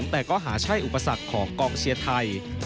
แต่ก็หาใช่อุปสรรคของกองเชียร์ไทย